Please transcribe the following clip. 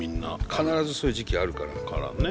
必ずそういう時期があるからね。